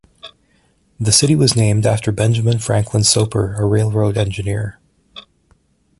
The city was named after Benjamin Franklin Soper, a railroad engineer.